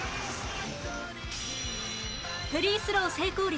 フリースロー成功率